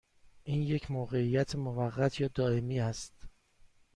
این یک موقعیت موقت یا دائمی است؟